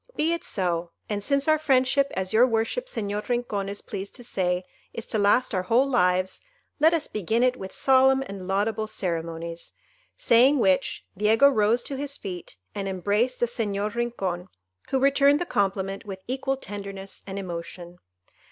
"Be it so; and since our friendship, as your worship Señor Rincon is pleased to say, is to last our whole lives, let us begin it with solemn and laudable ceremonies,"—saying which, Diego rose to his feet, and embraced the Señor Rincon, who returned the compliment with equal tenderness and emotion.